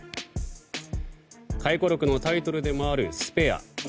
回顧録のタイトルでもある「スペア」。